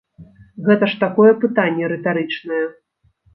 Гэта ж такое пытанне рытарычнае.